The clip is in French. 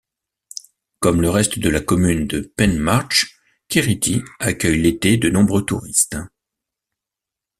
Comme le reste de la commune de Penmarc'h, Kérity accueille l'été de nombreux touristes.